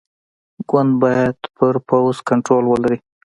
ګوند باید پر پوځ کنټرول ولري.